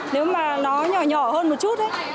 nếu mà nó nhỏ nhỏ hơn một chút